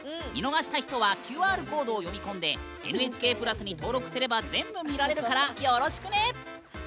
見逃した人はＱＲコードを読み込んでＮＨＫ＋に登録すれば全部見られるからよろしくね！